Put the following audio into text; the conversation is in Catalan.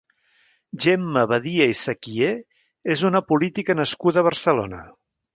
Gemma Badia i Cequier és una política nascuda a Barcelona.